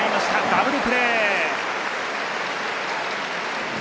ダブルプレー。